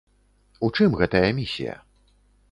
У чым гэтая місія?